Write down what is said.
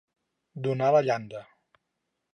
Donar la llanda.